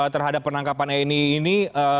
terhadap penangkapan nii ini